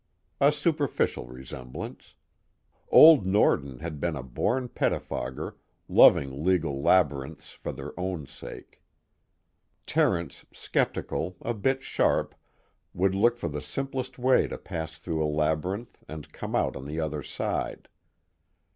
A superficial resemblance. Old Norden had been a born pettifogger, loving legal labyrinths for their own sake. Terence, skeptical, a bit sharp, would look for the simplest way to pass through a labyrinth and come out on the other side.